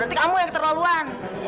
berarti kamu yang keterlaluan